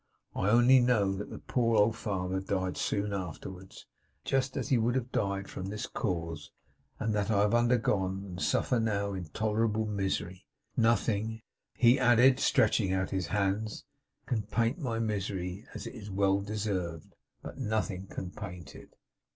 I only know that the poor old father died soon afterwards, just as he would have died from this cause; and that I have undergone, and suffer now, intolerable misery. Nothing' he added, stretching out his hands, 'can paint my misery! It is well deserved, but nothing can paint it.